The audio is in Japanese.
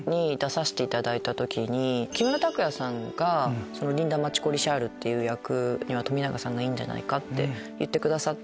木村拓哉さんが「リンダ・真知子・リシャール役には冨永さんがいいんじゃないか」って言ってくださって。